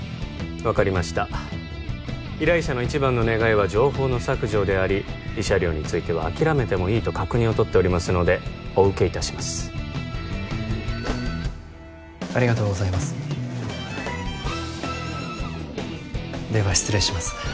分かりました依頼者の一番の願いは情報の削除であり慰謝料については諦めてもいいと確認を取っておりますのでお受けいたしますありがとうございますでは失礼します